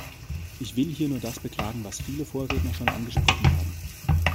Ich will hier nur das beklagen, was viele Vorredner schon angesprochen haben.